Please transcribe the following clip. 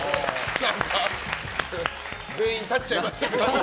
全員、立っちゃいました。